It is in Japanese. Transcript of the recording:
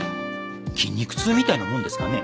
筋肉痛みたいなもんですかね？